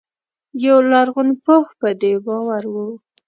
یو لرغونپوه په دې باور و.